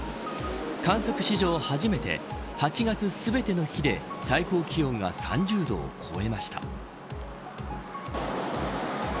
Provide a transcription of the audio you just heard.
観測史上初めて８月全ての日で最高気温が３０度を超えました。